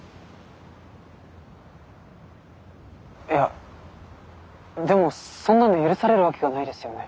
いやでもそんなの許されるわけがないですよね。